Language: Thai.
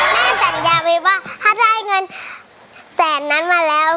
สัญญาไว้ว่าถ้าได้เงินแสนนั้นมาแล้ว